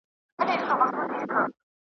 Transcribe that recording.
راته مه وایه چي ژوند دی بې مفهومه تش خوبونه .